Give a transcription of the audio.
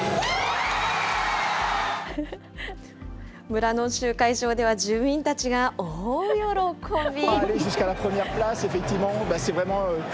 村の集会場では、住民たちが大喜び。